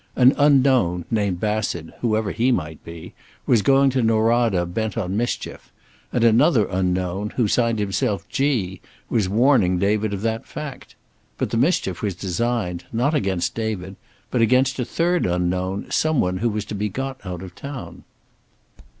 An unknown named Bassett, whoever he might be, was going to Norada bent on "mischief," and another unknown who signed himself "G" was warning David of that fact. But the mischief was designed, not against David, but against a third unknown, some one who was to be got out of town.